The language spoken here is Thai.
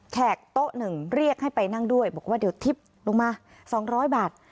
แขกโต๊ะหนึ่งเรียกให้ไปนั่งด้วยบอกว่าเดี๋ยวทิพย์ลงมา๒๐๐บาท